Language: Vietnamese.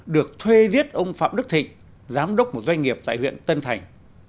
được thuê giết ông phạm đức thịnh giám đốc một doanh nghiệp tại huyện tân thành